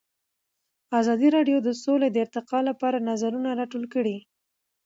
ازادي راډیو د سوله د ارتقا لپاره نظرونه راټول کړي.